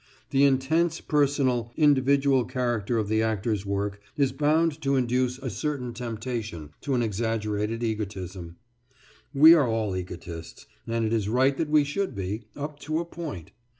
The intensely personal, individual character of the actor's work is bound to induce a certain temptation to an exaggerated egotism. We are all egotists, and it is right that we should be, up to a point.